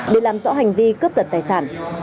để làm rõ hành vi cướp giật tài sản